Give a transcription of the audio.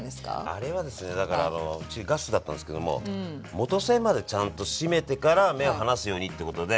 あれはですねだからうちガスだったんですけども元栓までちゃんと閉めてから目を離すようにってことで。